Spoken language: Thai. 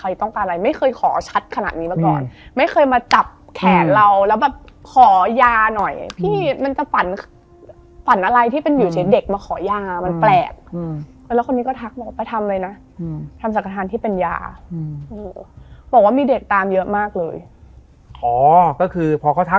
เออพูดจาแบบเนี้ยแบบตลอดเวลา